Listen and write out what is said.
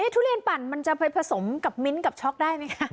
ทุเรียนปั่นมันจะไปผสมกับมิ้นท์กับช็อกได้ไหมคะ